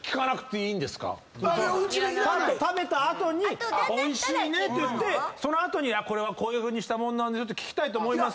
食べた後においしいねって言ってその後にこういうふうにしたもんなんだよって聞きたいと思いません？